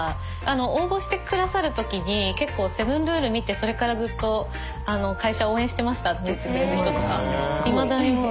応募してくださるときに結構「セブンルール」見てそれからずっと会社を応援してましたって言ってくれる人とかいまだにずっと。